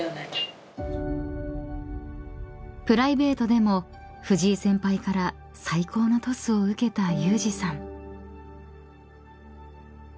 ［プライベートでも藤井先輩から最高のトスを受けた有志さん］